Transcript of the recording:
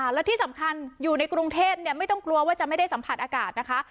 แล้วที่สำคัญอยู่ในกรุงเทพไม่ต้องกลัวว่าจะไม่ได้สัมผัสอากาศนะคะ